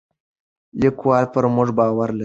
لیکوال پر موږ باور لري.